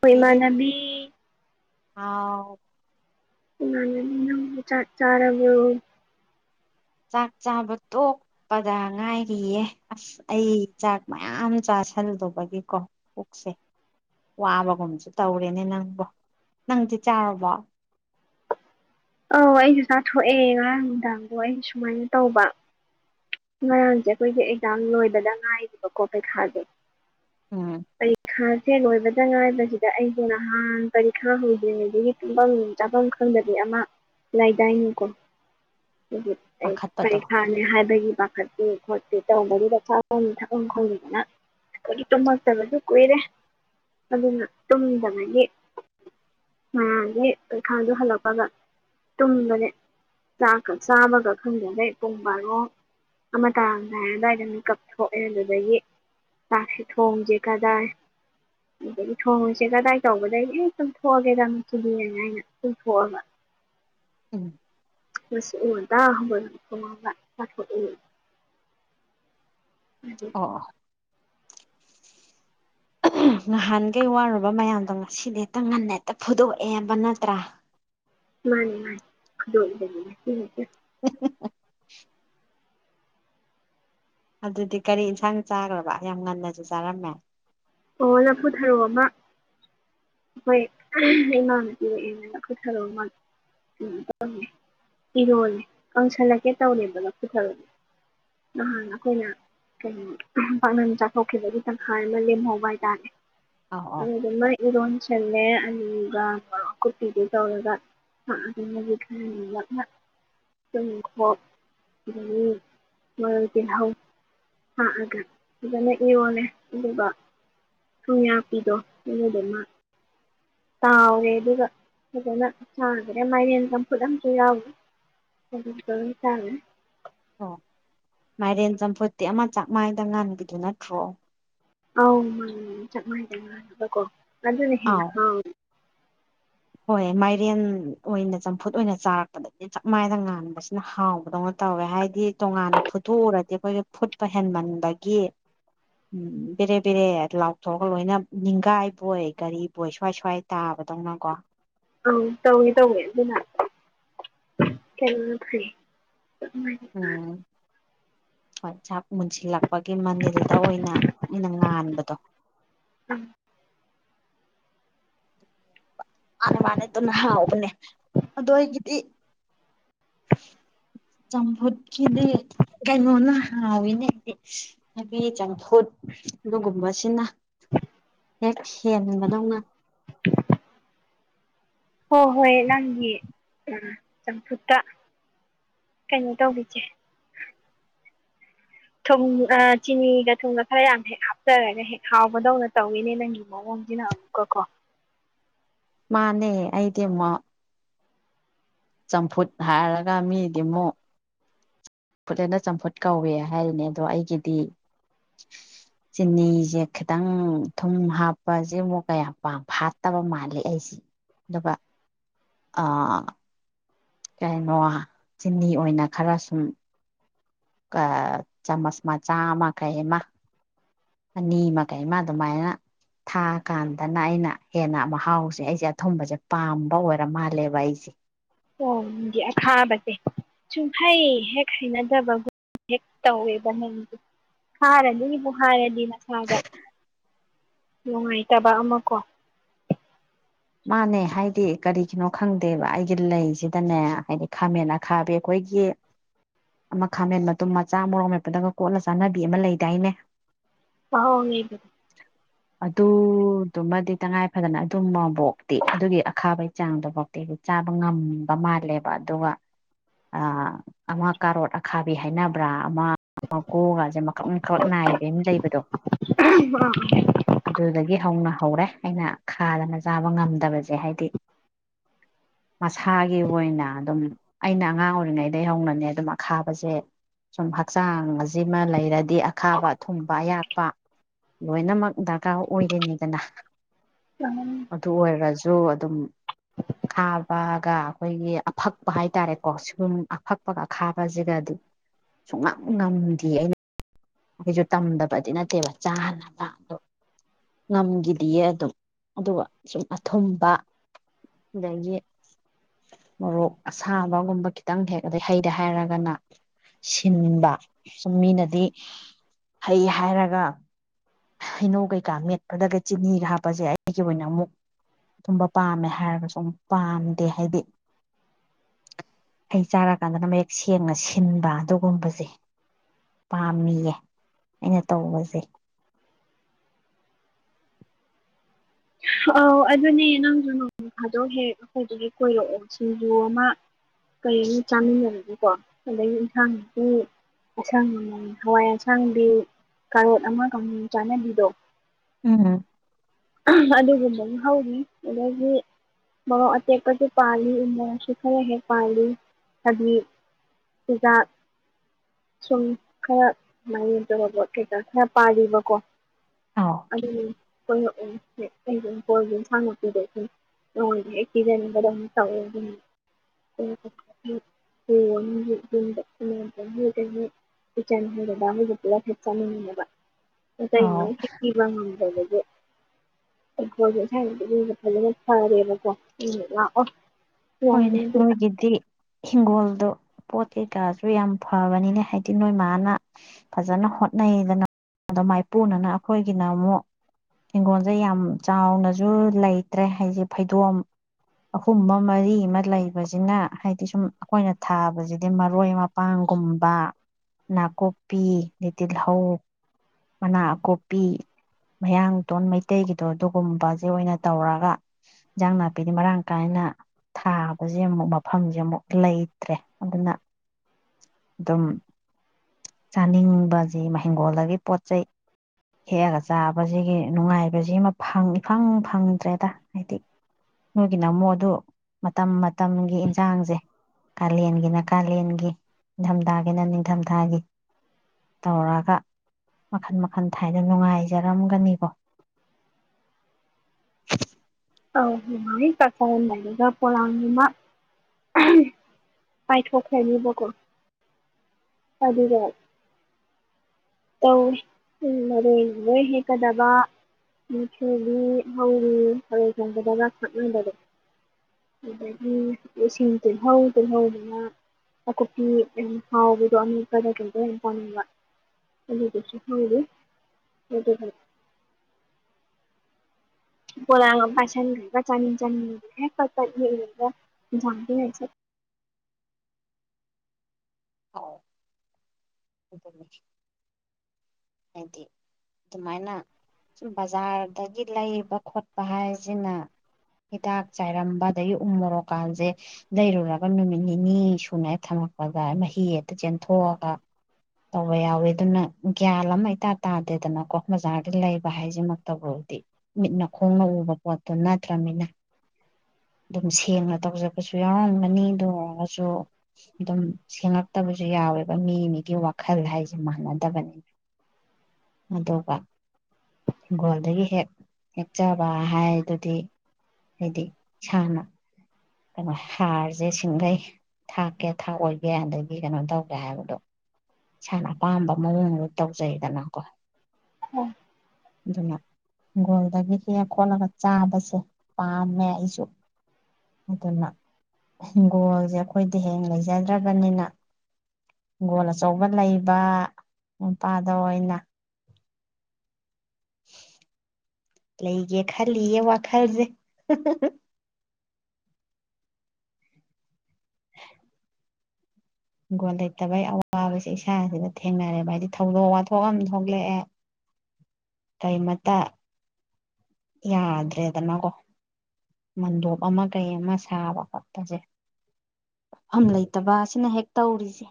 ꯍꯣ ꯄꯤꯔꯤꯛ ꯏꯃꯥꯟꯅꯕꯤ ꯍꯥꯎ ꯏꯃꯥꯟꯅꯕꯤ ꯅꯪꯕꯨ ꯆꯥꯛ ꯆꯥꯔꯕ꯭ꯔꯣ ꯆꯥꯛ ꯆꯥꯕ ꯇꯣꯛꯄꯗ ꯉꯥꯏꯔꯤꯌꯦ ꯑꯁ ꯑꯩ ꯆꯥꯛ ꯃꯌꯥꯝ ꯆꯥꯥꯁꯜꯂꯨꯕꯒꯤꯀꯣ ꯄꯨꯛꯁꯦ ꯋꯥꯕꯒꯨꯝꯁꯨ ꯇꯧꯔꯦꯅꯦ ꯅꯪꯕ ꯅꯪꯗꯤ ꯆꯥꯔꯕꯣ ꯑꯧ ꯑꯩꯁꯨ ꯆꯥꯊꯣꯛꯑꯦ ꯉꯔꯥꯡ ꯅꯨꯡꯗꯥꯡꯗꯣ ꯑꯩꯁꯨ ꯁꯨꯃꯥꯏꯅ ꯇꯧꯕ ꯉꯔꯥꯡꯁꯦ ꯑꯩꯈꯣꯏꯒꯤ ꯑꯦꯛꯖꯥꯝ ꯂꯣꯏꯕꯗ ꯉꯥꯏꯔꯤꯕꯀꯣ ꯄꯩꯈꯥꯥꯁꯦ ꯎꯝ ꯄꯩꯈꯥꯥꯁꯦ ꯂꯣꯢꯕ ꯈꯤꯇꯪ ꯉꯥꯏꯕꯁꯤꯗ ꯑꯩꯁꯨ ꯅꯍꯥꯟ ꯄꯔꯤꯈꯥ ꯍꯧꯗ꯭ꯔꯤꯉꯩꯗꯒꯤ ꯇꯨꯝꯐꯝ ꯆꯥꯐꯝ ꯈꯪꯗꯕꯤ ꯑꯃ ꯂꯩꯗꯥꯏꯅꯤꯀꯣ ꯈꯣꯏꯒꯤ ꯄꯥꯈꯠꯄꯗꯣ ꯄꯔꯤꯈꯥꯅꯦ ꯍꯥꯏꯕꯒꯤ ꯄꯥꯈꯠꯇꯦ ꯈꯣꯠꯇꯦ ꯇꯧꯕꯒꯤ [unintelligible] ꯇꯨꯝꯗꯕꯁꯨ ꯀꯨꯏꯔꯦ ꯑꯗꯨꯅ ꯇꯨꯝꯗꯕꯒꯤ ꯉꯥꯔꯥꯡꯗꯤ ꯄꯩꯈꯥꯗꯣ ꯍꯜꯂꯛꯄꯒ ꯇꯨꯝꯕꯅꯦ ꯆꯥꯛꯀ ꯆꯥꯕꯒ ꯈꯪꯗꯒꯩ ꯄꯨꯡ ꯕꯥꯔꯣ ꯑꯃ ꯇꯥꯔꯝꯗꯥꯏ ꯑꯗꯥꯏꯗ ꯃꯤꯀꯞ ꯊꯣꯛꯑꯦ ꯑꯗꯨꯗꯒꯤ ꯆꯥꯛꯁꯦ ꯊꯣꯡꯒꯦ ꯀꯗꯥꯏ ꯑꯗꯒꯤ ꯊꯣꯡꯁꯦ ꯀꯗꯥꯏ ꯇꯧꯒꯗꯒꯤ ꯑꯩ ꯇꯨꯝꯊꯣꯛꯑꯒꯦꯗ ꯃꯁꯤꯗꯤꯅ ꯑꯩꯅ ꯇꯨꯝꯊꯣꯛꯑꯕ ꯎꯝ ꯑꯁ ꯑꯌꯨꯛ ꯉꯟꯇꯥ ꯍꯧꯒꯠꯂꯒ [unintelligible] ꯑꯗꯨ ꯑꯣ ꯑꯣ ꯅꯍꯥꯟꯈꯩ ꯋꯥꯔꯨꯕ ꯃꯌꯥꯝꯗꯣ ꯉꯁꯤꯗꯤ ꯍꯦꯛꯇ ꯉꯟꯅ ꯍꯦꯛꯇ ꯐꯨꯗꯣꯛꯑꯦꯕ ꯅꯠꯇ꯭ꯔꯥ ꯃꯥꯟꯅꯤ ꯃꯥꯟꯅꯤ [inaudible] [unintelligible] ꯑꯗꯨꯗꯤ ꯀꯔꯤ ꯢꯟꯁꯥꯡ ꯆꯥꯒ꯭ꯔꯕ ꯌꯥꯝ ꯉꯟꯅꯁꯨ ꯆꯥꯔꯝꯃꯦ ꯑꯣ ꯂꯐꯨ ꯊꯔꯣ ꯑꯃ ꯑꯩꯈꯣꯏ ꯏꯃꯥꯅꯄꯤꯔꯑꯅ ꯂꯐꯨ ꯊꯔꯣ ꯑꯃ ꯀꯩꯅꯣ ꯇꯧ ꯏꯔꯣꯜ ꯀꯪꯁꯜꯂꯛꯀꯦ ꯇꯧꯔꯦꯕ ꯂꯐꯨ ꯊꯔꯣ ꯅꯍꯥꯟ ꯑꯩꯈꯣꯏꯅ ꯀꯩꯅꯣ ꯄꯥꯛꯅꯝ ꯆꯥꯊꯣꯛꯈꯤꯕꯒꯤ ꯇꯪꯈꯥ ꯑꯃ ꯂꯦꯝꯍꯧ ꯍꯥꯢ ꯇꯥꯔꯦ ꯑꯧ ꯑꯧ [unintelligible] ꯏꯔꯣꯁꯜꯂꯦ ꯑꯂꯨꯒ ꯃꯣꯔꯣꯛ ꯑꯀꯨꯞꯄꯤꯗꯨ ꯇꯧꯔꯒ [unintelligible] ꯇꯨꯅꯤꯡꯈꯣꯛ ꯑꯗꯒꯤ ꯃꯔꯣꯏ ꯇꯤꯜꯍꯧ ꯊꯥꯛꯑꯒ ꯐꯖꯅ ꯏꯔꯣꯜꯂꯦ ꯑꯗꯨꯒ ꯊꯨꯝꯌꯥꯛꯄꯤꯗꯣ ꯑꯗꯨ ꯗꯨꯃ ꯇꯥꯎꯔꯦ ꯑꯗꯨꯒ ꯐꯖꯅ ꯆꯥꯒꯔꯦ ꯃꯥꯏꯔꯦꯟ ꯆꯝꯐꯨꯠ ꯑꯝꯁꯨ ꯌꯥꯎꯔꯤ ꯑꯗꯨꯁꯨ ꯑꯗꯨꯝ ꯆꯥꯒ꯭ꯔꯦ ꯑꯣ ꯃꯥꯏꯔꯦꯟ ꯆꯝꯐꯨꯠꯇꯤ ꯑꯃ ꯆꯥꯛꯃꯥꯏꯗ ꯉꯥꯟꯕꯤꯗꯨ ꯅꯠꯇ꯭ꯔꯣ ꯑꯧ ꯃꯥꯅꯦ ꯃꯥꯅꯦ ꯆꯥꯛꯃꯥꯢꯗ ꯉꯥꯟꯕꯅꯀꯣ ꯑꯗꯨꯅ ꯍꯦꯟꯅ ꯑꯥꯎ ꯍꯥꯎꯋꯤ ꯍꯣꯏ ꯃꯥꯏꯔꯦꯟ ꯑꯣꯏꯅ ꯆꯝꯐꯨꯠ ꯑꯣꯏꯅ ꯆꯥꯔꯛꯄꯗꯗꯤ ꯆꯞ ꯃꯥꯟꯅ ꯉꯥꯟꯕꯕꯁꯤꯅ ꯍꯥꯎꯕꯗꯧꯅ ꯇꯧꯋꯦ ꯍꯥꯏꯗꯤ ꯇꯣꯉꯥꯟꯅ ꯐꯨꯠꯇꯣꯛꯎꯔꯗꯤ ꯑꯩꯈꯣꯏꯒꯤ ꯐꯨꯠꯄ ꯍꯦꯟꯃꯟꯕꯒꯤ ꯕꯦꯔꯦ ꯕꯦꯔꯦ ꯂꯥꯎꯊꯣꯛꯑꯒ ꯂꯣꯏꯅ ꯅꯤꯡꯒꯥꯏꯕꯣꯏ ꯔꯤꯕꯣꯏ ꯁ꯭ꯋꯥꯏ ꯁ꯭ꯋꯥꯏ ꯇꯥꯕꯗꯧꯅꯀꯣ ꯑꯧ ꯇꯧꯏ ꯇꯧꯏ ꯑꯗꯨꯅ ꯀꯩꯅꯣ ꯐꯩ [unintelligible] ꯎꯝ ꯍꯣꯏ ꯆꯥꯛ ꯃꯨꯟꯁꯤꯜꯂꯛ ꯄꯥꯒꯤ ꯃꯅꯤꯜꯗ ꯑꯣꯏꯅ ꯑꯩꯅ ꯉꯥꯟꯕꯗꯣ ꯑ ꯃꯥꯅꯦ ꯃꯥꯅꯦ ꯑꯗꯨꯅ ꯍꯥꯎꯕꯅꯦ ꯑꯗꯨ ꯑꯩꯒꯤꯗꯤ ꯆꯝꯐꯨꯠꯀꯤꯗꯤ ꯀꯩꯅꯣꯅ ꯍꯥꯎꯋꯤꯅꯦ ꯑꯩꯗꯤ ꯊꯥꯕꯤ ꯆꯝꯐꯨꯠ ꯑꯗꯨꯒꯨꯝꯕꯁꯤꯅ ꯍꯦꯛ ꯍꯦꯟꯕꯗꯧꯅ [unintelligible] ꯍꯣꯏ ꯍꯣꯏ ꯅꯪꯒꯤ ꯎꯝ ꯆꯝꯐꯨꯠꯇ ꯀꯩꯅꯣ ꯇꯧꯈꯤꯁꯦ ꯊꯨꯝ ꯑꯥ ꯆꯤꯅꯤꯒ ꯊꯨꯝꯒ ꯈꯔ ꯌꯥꯝ ꯍꯦꯛ ꯍꯥꯞꯆꯔꯒ ꯍꯦꯛ ꯍꯥꯎꯕꯗꯧꯅ ꯇꯧꯋꯤꯅꯦ ꯅꯪꯒꯤ ꯃꯑꯣꯡꯁꯤꯅ ꯑꯃꯨꯛꯀꯀꯣ ꯃꯥꯅꯦ ꯑꯩꯗꯤꯃꯨꯛ ꯆꯝꯐꯨꯠ ꯍꯥꯏꯔꯒ ꯃꯤꯗꯤ ꯑꯃꯨꯛ ꯐꯨꯠ ꯂꯦꯅ ꯆꯝꯐꯨꯠ ꯀꯧꯋꯦ ꯍꯥꯏꯔꯤꯅꯦ ꯑꯗꯣ ꯑꯩꯒꯤꯗꯤ ꯆꯤꯅꯤꯁꯦ ꯈꯤꯇꯪ ꯊꯨꯝ ꯍꯥꯞꯄꯁꯦ ꯑꯃꯨꯛ ꯀꯌꯥ ꯄꯥꯝ ꯐꯥꯠꯇꯕ ꯃꯥꯜꯂꯤ ꯑꯩꯁꯦ ꯑꯗꯨꯒ ꯑ ꯀꯩꯅꯣ ꯆꯤꯅꯤ ꯑꯣꯏꯅ ꯈꯔ ꯁꯨꯝ ꯀ ꯆꯥꯃꯁ ꯃꯥꯆꯥ ꯑꯃ ꯀꯩ ꯑꯃ ꯑꯅꯤꯃ ꯀꯩ ꯑꯃ ꯑꯗꯨꯃꯥꯏꯅ ꯊꯥꯀꯥꯟꯗꯅ ꯑꯩꯅ ꯍꯦꯟꯅ ꯃꯍꯥꯎꯁꯦ ꯑꯩꯁꯦ ꯑꯊꯨꯝꯕꯁꯦ ꯄꯥꯝꯕ ꯑꯣꯏꯔ ꯃꯥꯜꯂꯦꯕ ꯑꯩꯁꯦ ꯍꯩ ꯍꯦꯛ ꯍꯩꯅꯗꯕꯒꯨꯝ ꯍꯦꯛ ꯇꯧꯋꯦꯕ ꯅꯪꯁ ꯈꯥꯔꯅꯤꯕꯨ ꯍꯥꯏꯔꯗꯤ ꯅꯪ [unintelligible] ꯅꯨꯡꯉꯥꯏꯇꯕ ꯑꯃ ꯀꯣ ꯃꯥꯅꯦ ꯍꯥꯏꯗꯤ ꯀꯔꯤꯒꯤꯅꯣ ꯈꯪꯗꯦꯕ ꯑꯩꯒꯤ ꯂꯩꯁꯤꯗꯅꯦ ꯍꯥꯏꯗꯤ ꯈꯥꯃꯦꯟ ꯑꯈꯥꯕꯤ ꯑꯈꯣꯏꯒꯤ ꯑꯃ ꯈꯥꯃꯦꯟ ꯃꯇꯨꯝ ꯃꯆꯥ ꯃꯔꯣꯛ ꯃꯦꯠꯄꯗꯒ ꯀꯣꯠꯂ ꯆꯥꯅꯕꯤ ꯑꯃ ꯂꯩꯗꯥꯏꯅꯦ [unintelligible] ꯑꯗꯨꯗꯨꯃꯗꯤ ꯇꯉꯥꯏ ꯐꯗꯅ ꯑꯗꯨꯝꯃꯕꯣ ꯇꯤ ꯑꯗꯨꯒꯤ ꯑꯈꯥꯕꯩ ꯆꯥꯡꯗꯣꯐꯧꯗꯤ ꯆꯥꯕ ꯉꯝꯕ ꯃꯥꯜꯂꯦꯕ ꯑꯗꯨꯒ ꯑꯃ ꯀꯥꯔꯣꯠ ꯑꯈꯥꯕꯤ ꯍꯥꯏꯅꯕ꯭ꯔꯥ ꯑꯃ ꯃꯀꯨꯒꯥꯏꯁꯦ ꯃꯀ꯭ꯔꯛ ꯃꯀ꯭ꯔꯛ ꯅꯥꯏꯕ ꯑꯃ ꯂꯩꯕꯗꯣ ꯑꯗꯨꯗꯒꯤ ꯍꯧꯅ ꯍꯧꯔꯦ ꯑꯩꯅ ꯈꯥꯗꯅ ꯆꯥ ꯕ ꯉꯝꯗꯕꯁꯦ ꯍꯥꯏꯗꯤ ꯃꯁꯥꯒꯤ ꯑꯣꯏꯅ ꯑꯗꯨꯝ ꯑꯩꯅ ꯑꯉꯥꯡ ꯑꯣꯏꯔꯤꯉꯩꯗꯩ ꯍꯧꯅꯅꯦ ꯑꯗꯨꯝ ꯑꯈꯥꯕꯁꯦ ꯁꯨꯝ ꯍꯛꯆꯥꯡ ꯑꯁꯤꯃ ꯂꯩꯔꯗꯤ ꯑꯈꯥꯕ ꯑꯊꯨꯝꯕ ꯑꯌꯥꯛꯄ ꯂꯣꯏꯅꯃꯛ ꯗꯔꯀꯥꯔ ꯑꯣꯏꯔꯤꯅꯤꯗꯅ ꯑ ꯑꯗꯨ ꯑꯣꯏꯔꯁꯨ ꯑꯗꯨꯝ ꯈꯥꯕꯒ ꯑꯈꯣꯏꯒꯤ ꯑꯐꯛꯄ ꯍꯥꯏꯇꯥꯔꯦꯀꯣ ꯁꯤꯒꯨꯝ ꯑꯐꯛꯄꯒ ꯑ ꯈꯥꯕꯁꯤꯒꯗꯤ ꯁꯨꯡꯉꯝ ꯉꯝꯗꯦ ꯑꯩꯅ ꯑꯩꯁꯨ ꯇꯝꯗꯕꯗꯤ ꯅꯠꯇꯦꯕ ꯆꯥꯅꯕꯗꯣ ꯉꯝꯒꯤꯗꯦꯌꯦ ꯑꯗꯨꯝ ꯑꯗꯨꯒ ꯁꯨꯝ ꯑꯊꯨꯝꯕ ꯑꯗꯒꯤ ꯃꯣꯔꯣꯛ ꯑꯁꯥꯕꯒꯨꯝꯕ ꯈꯤꯇꯪ ꯍꯦꯛ ꯑꯗꯩ ꯍꯩꯗꯦ ꯍꯥꯏꯔꯒꯅ ꯁꯤꯟꯕ ꯁꯨꯝ ꯃꯤꯅꯗꯤ ꯍꯩ ꯍꯥꯏꯔꯒ ꯍꯩꯅꯧ ꯀꯩꯀꯥ ꯃꯦꯠꯄꯗꯒ ꯆꯤꯅꯤꯒ ꯍꯥꯞꯄꯁꯦ ꯑꯩꯒꯤ ꯑꯣꯏꯅ ꯑꯃꯨꯛ ꯑꯗꯨꯨꯝꯕ ꯄꯥꯝꯃꯦ ꯍꯥꯏꯔꯒꯁꯨ ꯑꯃꯨꯛ ꯄꯥꯝꯗꯦ ꯍꯥꯏꯗꯤ ꯍꯩ ꯆꯥꯔꯀꯥꯟꯗꯅ ꯃꯌꯦꯛ ꯁꯦꯡꯅ ꯁꯤꯟꯕ ꯑꯗꯨꯒꯨꯝꯕꯁꯦ ꯄꯥꯝꯃꯤꯌꯦ ꯑꯩꯅ ꯇꯧꯕꯁꯦ ꯑꯧ ꯑꯗꯨꯅꯦ ꯅꯪꯁꯨ ꯅꯣꯡꯃ ꯐꯥꯗꯣꯛ ꯍꯦꯛ ꯑꯈꯣꯏꯗꯣ ꯍꯦꯛ ꯀꯣꯏꯔꯛꯑꯣ ꯁꯤꯡꯖꯨ ꯑꯃ ꯀꯔꯤ ꯑꯃ ꯆꯥꯃꯤꯟꯅꯔꯒꯀꯣ ꯑꯗꯒꯤ ꯌꯦꯟꯁꯥꯡꯗꯤ ꯑꯁꯥꯡ ꯃꯜ ꯍꯋꯥꯏ ꯑꯁꯥꯡꯗꯤ ꯀꯥꯔꯣꯠ ꯑꯃ ꯀꯥꯡꯍꯧ ꯆꯥꯅꯕꯤꯗꯣ ꯎꯝ ꯑꯗꯨꯒꯨꯝꯕ ꯑꯃ ꯍꯧꯔꯤ ꯑꯗꯒꯤ ꯃꯣꯔꯣꯛ ꯑꯇꯦꯛꯄꯁꯨ ꯄꯥꯜꯂꯤ ꯎꯃꯣꯔꯣꯛꯁꯨ ꯈꯔ ꯍꯦꯛ ꯄꯥꯜꯂꯤ ꯍꯥꯏꯗꯤ ꯆꯨꯖꯥꯛ ꯁꯨꯝ ꯈꯔ ꯃꯥꯏꯔꯦꯟ ꯇꯣꯔꯕꯣꯠ ꯀꯩꯀꯥ ꯈꯔ ꯄꯥꯜꯂꯤꯕꯀꯣ ꯑ [unintelligible] [unintelligible] ꯄꯨꯂꯞ ꯍꯥꯛ ꯆꯥꯃꯤꯟꯅꯅꯕ ꯑꯥꯎ [unintelligible] ꯉꯝꯗꯕꯒꯤ [unintelligible] ꯐꯖꯅ ꯐꯔꯦꯕꯀꯣ [unintelligible] ꯍꯣꯏꯅꯦ ꯅꯣꯡꯃꯗꯨꯗ ꯃꯣꯏꯒꯤꯗꯤ ꯍꯤꯡꯒꯣꯜꯗꯣ ꯄꯣꯠ ꯀꯩꯀꯥꯁꯨ ꯌꯥꯝ ꯐꯕꯅꯤꯅꯦ ꯍꯥꯏꯗꯤ ꯅꯣꯏ ꯃꯥꯅ ꯐꯖꯅ ꯍꯣꯠꯅꯩꯗꯅ ꯑꯗꯣ ꯃꯥꯏꯄꯨꯅꯅ ꯑꯈꯣꯏꯒꯤꯅ ꯑꯃꯨꯛ ꯍꯤꯡꯒꯣꯜꯁꯦ ꯌꯥꯝ ꯆꯥꯎꯅꯁꯨ ꯂꯩꯇ꯭ꯔꯦ ꯍꯥꯏꯗꯤ ꯐꯩꯗꯣꯝ ꯑꯍꯨꯝꯕ ꯃꯔꯤ ꯑꯃꯥ ꯂꯩꯕꯁꯤꯅ ꯍꯥꯏꯗꯤ ꯁꯨꯝ ꯑꯈꯣꯏꯅ ꯊꯥꯕꯁꯤꯗꯤ ꯃꯔꯣꯏ ꯃꯄꯥꯡꯒꯨꯝꯕ ꯅꯥꯀꯨꯞꯄꯤꯗꯤ ꯇꯤꯜꯍꯧ ꯃꯅꯥ ꯑꯀꯨꯞꯄꯤ ꯃꯌꯥꯡꯗꯣꯟ ꯃꯩꯇꯩꯒꯤꯗꯣ ꯑꯗꯨꯒꯨꯝꯕꯁꯦ ꯑꯣꯏꯅ ꯇꯧꯔꯒ ꯏꯟꯖꯥꯡ ꯅꯥꯄꯤꯗꯤ ꯃꯔꯥꯡ ꯀꯥꯏꯅ ꯊꯥꯕꯁꯦ ꯑꯃꯨꯛ ꯃꯐꯝꯁꯦ ꯑꯃꯨꯛ ꯂꯩꯇ꯭ꯔꯦ ꯑꯗꯨꯅ ꯑꯗꯨꯝ ꯆꯥꯅꯤꯡꯕꯁꯤ ꯃꯍꯤꯡꯒꯣꯜꯗꯒꯤ ꯄꯣꯠ ꯆꯩ ꯍꯦꯛꯑꯒ ꯆꯥꯕꯁꯤꯒꯤ ꯅꯨꯡꯉꯥꯏꯕꯁꯤꯃ ꯐꯪ ꯏꯐꯪ ꯐꯪꯗ꯭ꯔꯦꯗ ꯍꯥꯏꯗꯤ ꯅꯣꯏꯒꯤꯅ ꯑꯃꯨꯛ ꯑꯗꯨ ꯃꯇꯝ ꯃꯇꯝꯒꯤ ꯏꯟꯁꯥꯡꯁꯦ ꯀꯥꯂꯦꯟꯒꯤꯅ ꯀꯥꯂꯦꯟꯒꯤ ꯅꯤꯡꯊꯝꯊꯥꯒꯤꯅ ꯅꯤꯡꯊꯝꯊꯥꯒꯤ ꯇꯧꯔꯥꯒ ꯃꯈꯜ ꯃꯈꯜ ꯊꯥꯏꯅ ꯅꯨꯡꯉꯥꯏꯖꯔꯝꯒꯅꯤꯀꯣ ꯑꯧ ꯅꯨꯡꯉꯥꯏ ꯆꯥꯛ ꯆꯥꯔꯝꯗꯥꯏꯗꯒ ꯄꯣꯂꯥꯡ ꯖꯤꯃ ꯄꯥꯏꯊꯣꯛꯈ꯭ꯔꯅꯤꯕꯥꯀꯣ ꯑꯗꯨꯒꯥ ꯇꯧꯋꯤ ꯃꯔꯣꯏ ꯂꯣꯏ ꯍꯦꯛꯀꯗꯕ ꯃꯨꯛꯊ꯭ꯔꯨꯕꯤ ꯍꯧꯔꯤ ꯊꯔꯣꯏ ꯊꯣꯡꯕꯗꯒ ꯊꯥꯛꯅꯕꯗꯣ ꯑꯗꯨꯗꯒꯤ ꯏꯁꯤꯡ ꯇꯤꯜꯍꯧ ꯇꯤꯜꯍꯧꯗꯅ ꯑꯀꯨꯞꯄꯤ ꯌꯥꯝ ꯍꯥꯎꯕꯗꯣ ꯑꯃꯦꯠꯄꯗ ꯀꯩꯗ ꯌꯥꯝ ꯆꯥꯅꯤꯡꯕ ꯑꯗꯨꯗꯨꯁꯨ ꯍꯧꯔꯤ ꯑꯗꯨꯒ ꯄꯣꯂꯥꯡ ꯑꯝ ꯄꯥꯏꯁꯤꯟꯈ꯭ꯔꯒ ꯆꯥꯅꯤꯡ ꯆꯥꯅꯤꯡ ꯍꯦꯛ ꯄꯠ ꯄꯠ ꯍꯦꯛꯛꯎꯔꯒ ꯏꯟꯁꯥꯡꯗ ꯍꯦꯛ ꯍꯣꯏ ꯑꯗꯨ ꯍꯥꯏꯗꯤ ꯑꯗꯨꯃꯥꯏꯅ ꯁꯨꯝ ꯕꯖꯥꯔꯗꯒꯤ ꯂꯩꯕ ꯈꯣꯠꯄ ꯍꯥꯏꯁꯤꯅ ꯍꯤꯗꯥꯛ ꯆꯥꯏꯔꯝꯕ ꯑꯗꯒꯤ ꯎ ꯃꯔꯣꯔꯣꯛꯀꯥꯟꯁꯦ ꯂꯩꯔꯨꯔꯒ ꯅꯨꯃꯤꯠ ꯅꯤꯅꯤ ꯁꯨꯅ ꯊꯝꯃꯛꯄꯗ ꯃꯍꯤ ꯑꯛꯇ ꯆꯦꯟꯊꯣꯛꯑꯒ ꯇꯧꯕ ꯌꯥꯎꯋꯦ ꯑꯗꯨꯅ ꯒ꯭ꯌꯥꯟ ꯑꯃ ꯏꯇꯥ ꯇꯥꯗꯦꯗꯅꯀꯣ ꯕꯖꯥꯔꯗ ꯂꯩꯕ ꯍꯥꯏꯁꯤꯃꯛꯇꯗꯤ ꯃꯤꯠꯅ ꯈꯣꯡꯅ ꯎꯕ ꯄꯣꯠꯇꯨ ꯅꯠꯇ꯭ꯔꯅꯤꯅ ꯑꯗꯨꯝ ꯁꯦꯡꯅ ꯇꯧꯖꯄꯁꯨ ꯌꯥꯎꯔꯝꯒꯅꯤ ꯑꯗꯨ ꯑꯣꯏꯔꯒꯁꯨ ꯑꯗꯨꯝ ꯁꯦꯡꯂꯛꯇꯕꯁꯨ ꯌꯥꯎꯋꯦꯕ ꯃꯤ ꯃꯤꯒꯤ ꯃꯈꯜ ꯍꯥꯏꯁꯦ ꯃꯥꯟꯅꯗꯕꯅꯤꯅ ꯑꯗꯨꯒ ꯍꯤꯡꯒꯣꯜꯗꯒꯤ ꯍꯦꯛ ꯍꯦꯛꯆꯕ ꯍꯥꯏꯗꯨꯗꯤ ꯍꯥꯏꯗꯤ ꯏꯁꯥꯅ ꯀꯩꯅꯣ ꯍꯥꯔꯁꯦ ꯁꯤꯡꯈꯩ ꯊꯥꯛꯀꯦ ꯊꯥꯛꯑꯣꯏꯒꯦ ꯑꯗꯒꯤ ꯀꯩꯅꯣ ꯇꯧꯒꯦ ꯍꯥꯏꯕꯗꯣ ꯏꯁꯥꯅ ꯑꯄꯥꯝꯕ ꯃꯑꯣꯡꯗ ꯇꯧꯖꯩꯗꯅꯀꯣ ꯎ ꯑꯗꯨꯅ ꯍꯪꯒꯣꯜꯗꯒꯤ ꯍꯦꯛꯔ ꯈꯣꯠꯂꯒ ꯆꯥꯕꯁꯦ ꯄꯥꯝꯃꯦ ꯑꯩꯁꯨ ꯑꯗꯨꯅ ꯍꯤꯡꯒꯣꯜꯁꯦ ꯑꯩꯈꯣꯏꯗꯤ ꯍꯦꯡ ꯂꯩꯖꯗ꯭ꯔꯕꯅꯤꯅ ꯍꯤꯡꯒꯣꯜ ꯑꯆꯧꯕ ꯂꯩꯕ ꯅꯨꯄꯥꯗ ꯑꯣꯏꯅ ꯂꯩꯒꯦ ꯈꯜꯂꯤꯌꯦ ꯋꯥꯈꯜꯁꯦ [unintelligible] ꯍꯤꯡꯒꯣꯜ ꯂꯩꯇꯕꯩ ꯑꯋꯥꯕꯕꯁꯤꯦ ꯏꯁꯥꯁꯤꯗ ꯊꯦꯡꯅꯔꯦꯕ ꯍꯥꯏꯗꯤ ꯊꯧꯗꯣꯛ ꯋꯥꯊꯣꯛ ꯑꯃ ꯊꯣꯛꯂꯛꯑꯦ ꯀꯔꯤꯃꯇ ꯌꯥꯗ꯭ꯔꯦꯗꯅꯀꯣ ꯃꯟꯗꯣꯞ ꯑꯃ ꯀꯩ ꯑꯃ ꯁꯥꯕ ꯈꯣꯠꯄꯁꯦ ꯄꯐꯝ ꯂꯩꯇꯕ ꯑꯁꯤꯅ ꯍꯦꯛ ꯇꯧꯔꯤꯁꯦ